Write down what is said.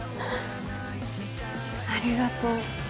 ありがとう。